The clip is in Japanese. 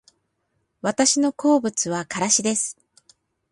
私の好物はからしです